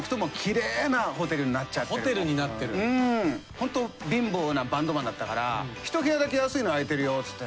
ホント貧乏なバンドマンだったから１部屋だけ安いの空いてるよっつって。